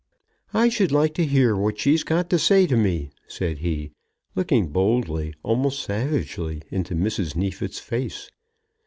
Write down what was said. "I should like to hear what she's got to say to me," said he, looking boldly, almost savagely, into Mrs. Neefit's face.